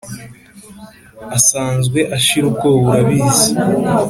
Asanzwe ashira ubwoba urabizi